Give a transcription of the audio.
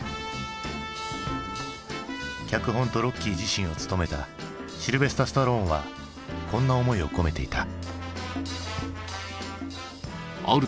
脚本とロッキー自身を務めたシルヴェスター・スタローンはこんな思いを込めていた。